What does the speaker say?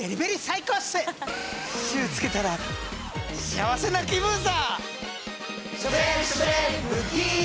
シュー付けたら幸せな気分さ！